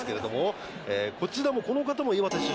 「こちらもこの方も岩手出身なんですね」